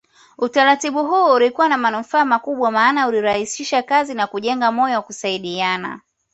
Utaratibu huu ulikuwa na manufaa makubwa maana ulirahisisha kazi na kujenga moyo wa kusaidiana